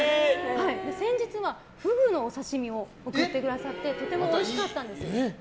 先日は、フグのお刺し身を送ってくださってとてもおいしかったんです。